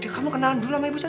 kamu kenalan dulu sama ibu saya